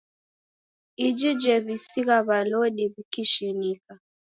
Iji jew'isigha w'alodi w'ikishinika.